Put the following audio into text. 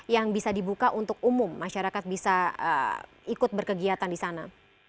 yang bisa dibuka untuk umum masyarakat bisa ikut berkegiatan di sana